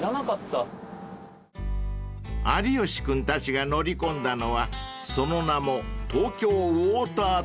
［有吉君たちが乗り込んだのはその名も］